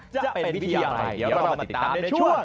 จะเป็นวิธีอย่างไรเดี๋ยวก่อนเรามาติดตามในช่วง